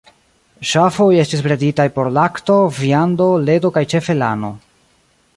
Ŝafoj estis breditaj por lakto, viando, ledo kaj ĉefe lano.